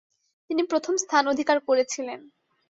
তিনি প্রথম স্থান অধিকার করে ছিলেন।